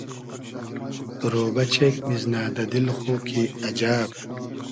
رۉبۂ چېگ میزنۂ دۂ دیل خو کی اجئب